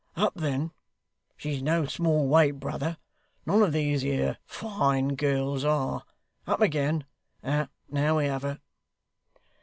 'Up then! She's no small weight, brother; none of these here fine gals are. Up again! Now we have her.